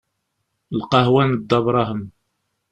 Lqahwa n Dda Brahem.